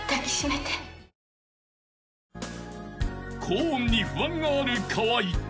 ［高音に不安がある河合］